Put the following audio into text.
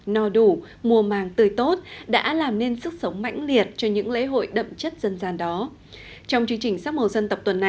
no đủ mùa màng tươi tốt đã làm nên sức sống mạnh liệt cho những lễ hội đậm chất dân gian đó